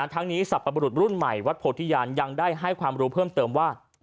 ทั้งนี้สรรพรุษรุ่นใหม่วัดโพธิญาณยังได้ให้ความรู้เพิ่มเติมว่า